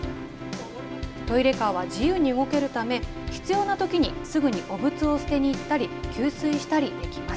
トイレカーは自由に動けるため、必要なときにすぐに汚物を捨てに行ったり、給水したりできます。